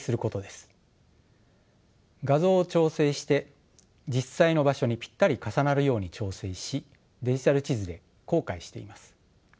画像を調整して実際の場所にぴったり重なるように調整しデジタル地図で公開しています。